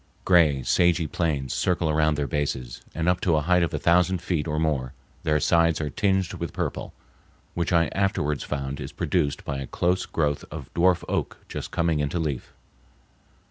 Gray, sagey plains circle around their bases, and up to a height of a thousand feet or more their sides are tinged with purple, which I afterwards found is produced by a close growth of dwarf oak just coming into leaf.